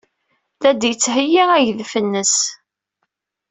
La d-yettheyyi agdef-nnes.